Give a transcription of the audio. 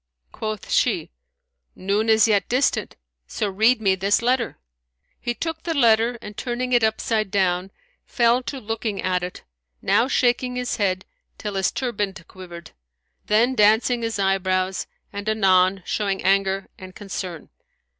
Quoth she, "Noon is yet distant, so read me this letter." He took the letter and turning it upside down, fell to looking at it, now shaking his head till his turband quivered, then dancing his eyebrows and anon showing anger and concern.